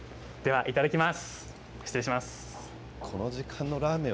いただきます。